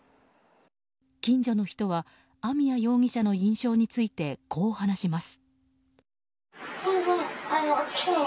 近所の人は網谷容疑者の印象についてこう話します。